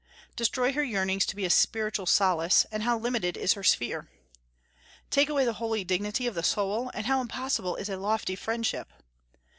Destroy her yearnings to be a spiritual solace, and how limited is her sphere! Take away the holy dignity of the soul, and how impossible is a lofty friendship!